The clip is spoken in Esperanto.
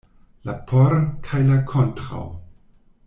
La "por" kaj la "kontraŭ".